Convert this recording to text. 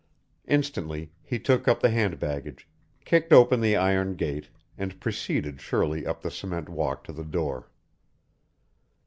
Instantly he took up the hand baggage, kicked open the iron gate, and preceded Shirley up the cement walk to the door.